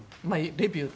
レビューね。